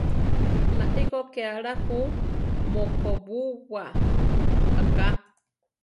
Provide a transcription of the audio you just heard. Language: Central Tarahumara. Nai kó ké ala jú mokobúwa aká.